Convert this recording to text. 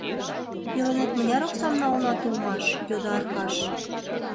— Пеленет мыняр оксам налынат улмаш? — йодо Аркаш.